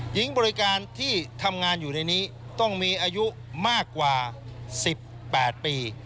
หญิงบริการที่ทำงานอยู่ในนี้ต้องมีอายุมากกว่า๑๘ปี